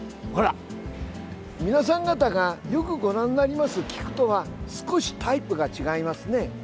皆さん方がよくご覧になる菊とは少しタイプが違いますね。